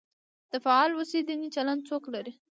د فعال اوسېدنې چلند څوک لري؟